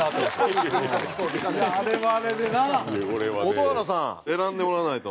蛍原さん選んでもらわないと。